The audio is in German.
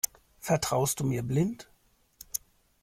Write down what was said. Vertraust du mir blind?